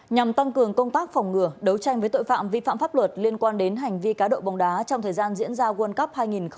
nhằm tăng cường công tác phòng ngừa đấu tranh với tội phạm vi phạm pháp luật liên quan đến hành vi cá độ bóng đá trong thời gian diễn ra world cup hai nghìn hai mươi ba